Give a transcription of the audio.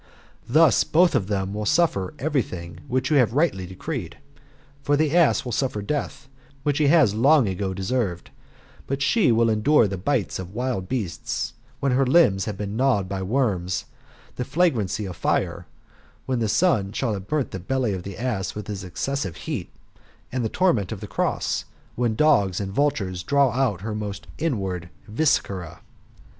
Thus both of them will suffer every thing which you have rightly decreed. For the ass will suffer death, which he has long ago deservedj but she will endure the bites of wild beasts, when her limbs have been gnawed by worms ; the flagrancy of fire, whep the sun shall have burnt the belly of the ass with his excessive heat; and the torment of the cross, when dogs and vultures draw out her most inward viscera.